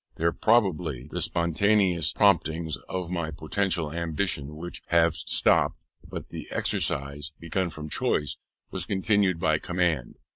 There, probably, the spontaneous promptings of my poetical ambition would have stopped; but the exercise, begun from choice, was continued by command.